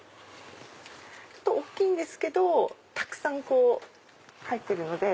大きいんですけどたくさん入ってるので。